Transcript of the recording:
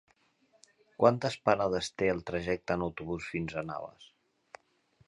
Quantes parades té el trajecte en autobús fins a Navàs?